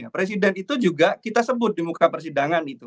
presiden itu juga kita sebut di muka persidangan itu